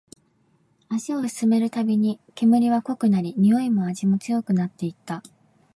足を進めるたびに、煙は濃くなり、においも味も強くなっていった